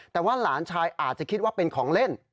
แต่ว่าหลานชายอาจจะคิดว่าเป็นของเล่น